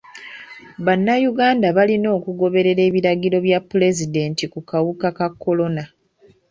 Bannayuganda balina okugoberera ebiragiro bya pulezidenti ku kawuka ka kolona.